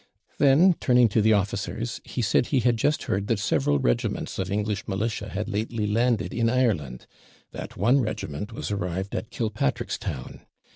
Then turning to the officers, he said he had just heard that several regiments of English militia had lately landed in Ireland; that one regiment was arrived at Killpatrickstown.